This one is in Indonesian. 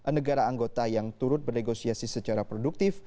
negara anggota yang turut bernegosiasi secara produktif